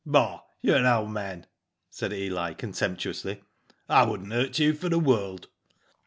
"Bah! you're an old man," said Eli, contemp tuously. " I wouldn't hurt you for the world."